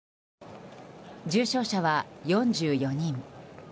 重症者は４４人。